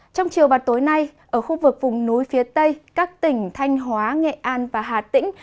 trong chiều và tối nay ở khu vực vùng núi phía tây các tỉnh thanh hóa nghệ an và hà tĩnh